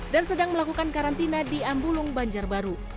dan sedang melakukan karantina di ambulung banjar baru